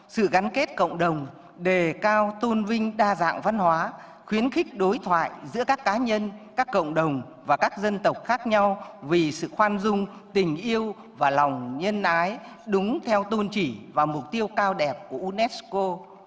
sự gắn kết cộng đồng đề cao tôn vinh đa dạng văn hóa khuyến khích đối thoại giữa các cá nhân các cộng đồng và các dân tộc khác nhau vì sự khoan dung tình yêu và lòng nhân ái đúng theo tôn chỉ và mục tiêu cao đẹp của unesco